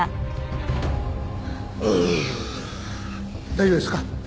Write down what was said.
大丈夫ですか？